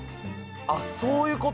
あっそういうこと？